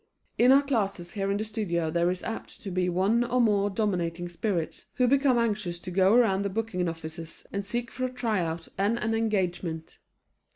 In our classes here in the studio there is apt to be one or more dominating spirits who become anxious to go around the booking offices and seek for a tryout and an engagement.